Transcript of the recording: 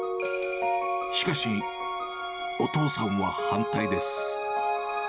しかし、お父さんは反対です。